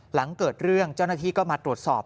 หลังเกิดเรื่องเจ้าหน้าที่ก็มาตรวจสอบ